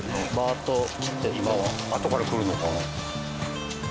あとから来るのかな？